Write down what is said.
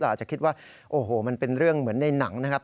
อาจจะคิดว่าโอ้โหมันเป็นเรื่องเหมือนในหนังนะครับ